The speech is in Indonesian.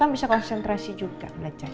kan bisa konsentrasi juga belajarnya